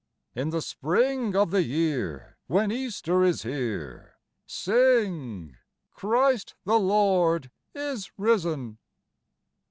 In the spring of the year, When Easter is here, Sing, Christ the Lord is risen